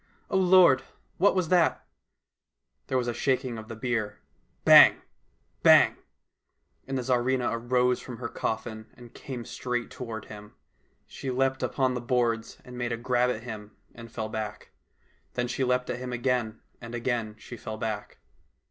O Lord ! what was that ? There was a shaking of the bier — bang ! bang !— and the Tsarivna arose from her coffin and came straight toward him. She leaped upon the boards and made a grab at him and fell back. Then she leaped at him again, and again she fell back.